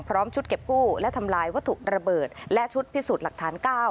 ชุดเก็บกู้และทำลายวัตถุระเบิดและชุดพิสูจน์หลักฐาน๙